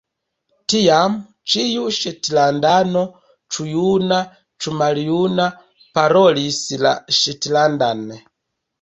Tiam, ĉiu ŝetlandano, ĉu juna, ĉu maljuna, parolis la ŝetlandan.